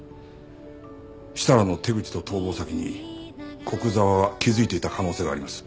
設楽の手口と逃亡先に古久沢は気づいていた可能性があります。